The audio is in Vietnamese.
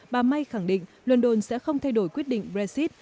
bà may khẳng định london sẽ không thay đổi quyết định brexit